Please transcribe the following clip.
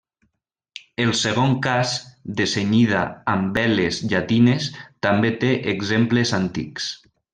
El segon cas, de cenyida amb veles llatines, també té exemples antics.